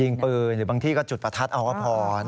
ยิงปืนหรือบางที่ก็จุดประทัดเอาก็พอ